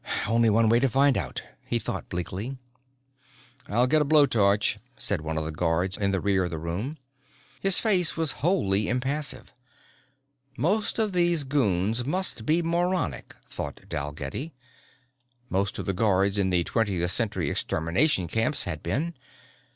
Only one way to find out, he thought bleakly. "I'll get a blowtorch," said one of the guards in the rear of the room. His face was wholly impassive. Most of these goons must be moronic, thought Dalgetty. Most of the guards in the twentieth century extermination camps had been.